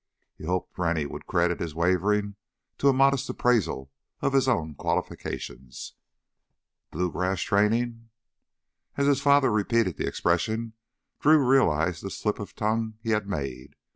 He hoped Rennie would credit his wavering to a modest appraisal of his own qualifications. "Blue grass training?" As his father repeated the expression Drew realized the slip of tongue he had made.